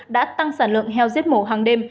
đã tăng sản lượng heo giết mổ hàng đêm